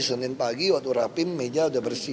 kementerian dalam negeri